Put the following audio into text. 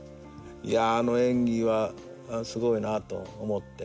いやあの演技はすごいなと思って。